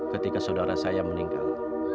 ketika saudara saya meninggal